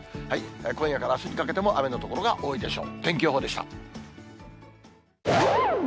今夜からあすにかけても雨の所が多いでしょう。